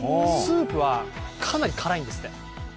スープはかなり辛いんですって。